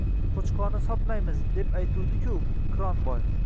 – Qo‘chqorni sotmaymiz deb aytuvdim-ku, Qironboy